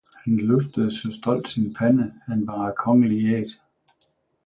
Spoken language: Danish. Han løftede saa stolt sin Pande, han var af kongelig Æt!